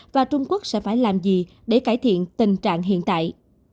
và trung quốc sẽ phải làm gì để cải thiện tình trạng hiện tại